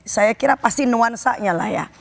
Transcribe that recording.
saya kira pasti nuansanya lah ya